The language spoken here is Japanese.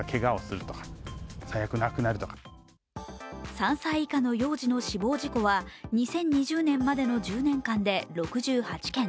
３歳以下の幼児の死亡事故は２０２０年までの１０年間で６８件。